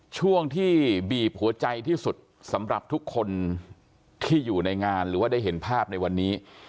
ช่วงที่บีบหัวใจที่สุดสำหรับทุกคนที่อยู่ในงานหรือว่าได้เห็นภาพในวันนี้